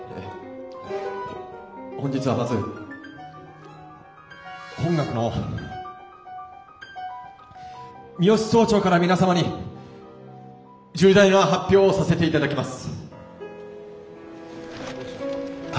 本日はまず本学の三芳総長から皆様に重大な発表をさせていただきます。